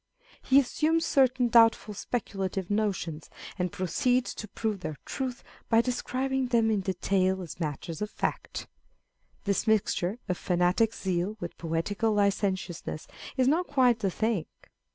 He assumes certain doubtful speculative notions, and proceeds to prove their truth by describing them in detail as matters of fact. This mixture of fanatic zeal with poetical licen tiousness is not quite the thing.